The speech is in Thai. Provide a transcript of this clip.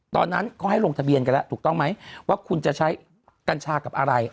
ตอนนั้นเขาให้ลงทะเบียนกันแล้วถูกต้องไหมว่าคุณจะใช้กัญชากับอะไร